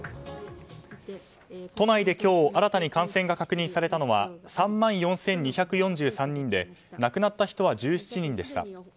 都内で今日新たに感染が確認されたのは３万４２４３人で亡くなった人は１７人でした。